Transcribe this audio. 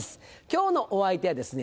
今日のお相手はですね